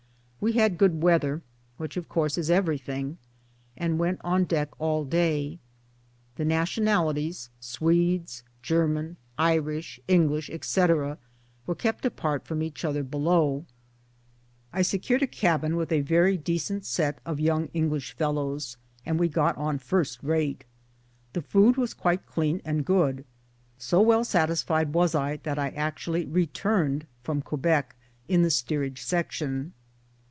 We had good weather, which of course is everything, and were on deck all day ; the nationalities, Swedes, German, Irish, English, etc., were kept apart from each other below ; I secured a cabin with a very decent set of young English fellows, and we got on first rate. The food was quite clean and good. So well satisfied was I that I actually returned (from Quebec ) in the steerage section